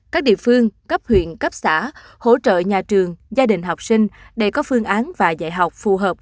các địa phương cấp huyện cấp xã hỗ trợ nhà trường gia đình học sinh để có phương án và dạy học phù hợp